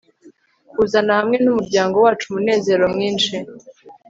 kuzana hamwe numuryango wacu umunezero mwinshi